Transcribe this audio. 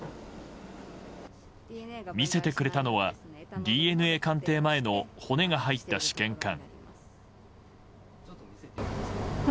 見せてくれたのはＤＮＡ鑑定前の骨が入った試験管。